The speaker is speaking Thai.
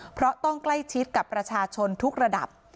เพราะต้องใกล้ชิดกับประชาชนทุกระดับ